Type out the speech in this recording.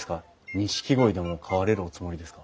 ニシキゴイでも飼われるおつもりですか？